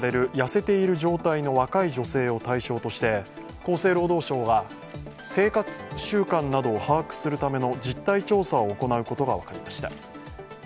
痩せている状態の若い女性を対象として厚生労働省が生活習慣などを把握するための実態調査を行うことが分かりました。